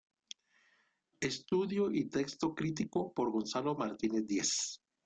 Estudio y texto crítico por Gonzalo Martínez Díez.